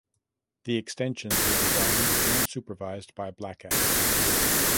The extensions were designed and supervised by Blacket.